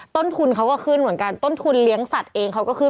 ต้นทุนเขาก็ขึ้นเหมือนกันต้นทุนเลี้ยงสัตว์เองเขาก็ขึ้น